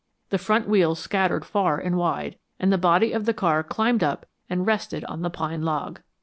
The front wheels scattered far and wide, and the body of the car climbed up and rested on the pine log.